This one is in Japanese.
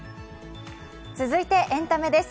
続いてエンタメです。